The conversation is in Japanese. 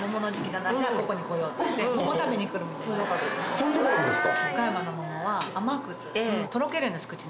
そういうとこなんですか。